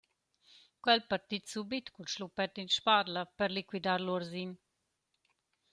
Quel partit subit cul schluppet in spadla per liquidar l’uorsin.